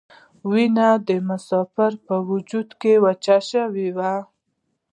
وینه د مسافرو په وجود کې وچه شوې وه.